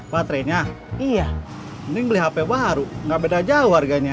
baterainya iya ini beli hp baru nggak beda jauh harganya